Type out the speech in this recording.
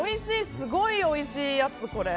すごいおいしいやつ。